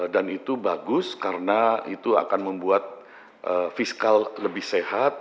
dan itu bagus karena itu akan membuat fiskal lebih sehat